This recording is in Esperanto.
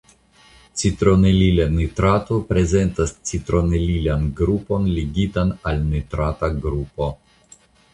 Citronelila nitrato prezentas citronelilan grupon ligitan al nitrata grupo.